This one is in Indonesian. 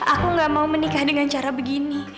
aku gak mau menikah dengan cara begini